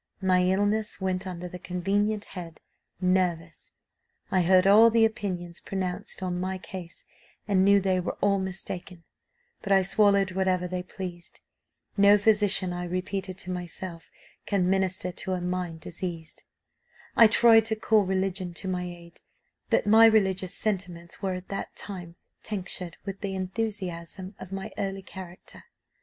My illness went under the convenient head 'nervous.' I heard all the opinions pronounced on my case, and knew they were all mistaken, but I swallowed whatever they pleased. No physician, I repeated to myself, can 'minister to a mind diseased.' "I tried to call religion to my aid; but my religious sentiments were, at that time, tinctured with the enthusiasm of my early character.